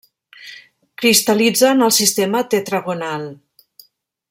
Cristal·litza en el sistema tetragonal.